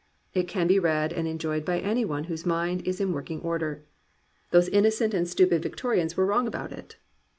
It can be read and enjoyed by any one whose mind is in working order. Those innocent and stupid 242 *'GLORY OF THE IMPERFECT" Victorians were WTong about it.